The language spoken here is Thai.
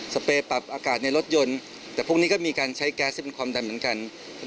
เปรย์ปรับอากาศในรถยนต์แต่พรุ่งนี้ก็มีการใช้แก๊สที่เป็นความดันเหมือนกัน